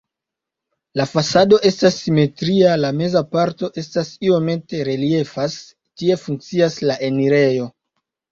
La fasado estas simetria, la meza parto estas iomete reliefas, tie funkcias la enirejo.